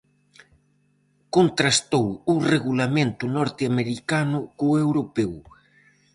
Contrastou o regulamento norteamericano co europeo.